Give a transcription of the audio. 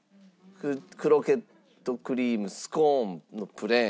クロテッドクリームスコーンのプレーン。